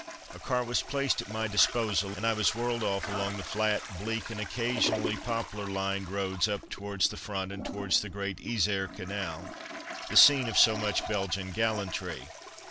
A car was placed at my disposal and I was whirled off along the flat, bleak, and occa sionally poplar lined roads up towards the front and towards the great Yser canal, the scene of so much Belgian gallantry.